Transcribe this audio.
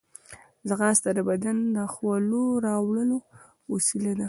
ځغاسته د بدن د خولو راوړلو وسیله ده